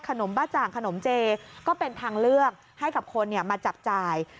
บ้าจ่างขนมเจก็เป็นทางเลือกให้กับคนมาจับจ่าย